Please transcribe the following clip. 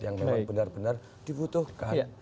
yang memang benar benar dibutuhkan